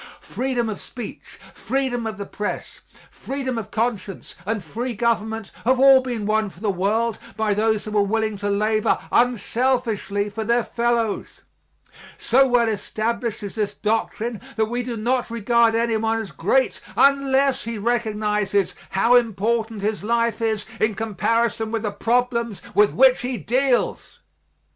Freedom of speech, freedom of the press, freedom of conscience and free government have all been won for the world by those who were willing to labor unselfishly for their fellows. So well established is this doctrine that we do not regard anyone as great unless he recognizes how unimportant his life is in comparison with the problems with which he deals.